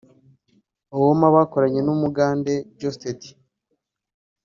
Owooma bakoranye n’Umugande Geosteady